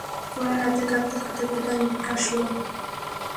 ওরা রাতে কাঁদতে কাঁদতে পিতার নিকট আসল।